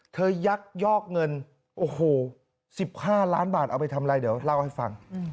ยักยอกเงินโอ้โห๑๕ล้านบาทเอาไปทำอะไรเดี๋ยวเล่าให้ฟัง